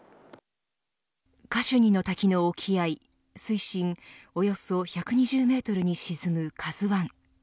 カシュニの滝の沖合水深およそ１２０メートルに沈むＫＡＺＵ１。